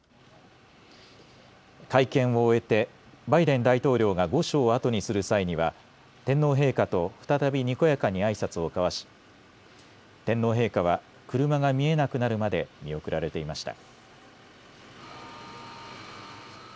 会見を終えてバイデン大統領が御所を後にする際には天皇陛下と再びにこやかにあいさつを交わし天皇陛下は車が見えなくなるまで見送られていました。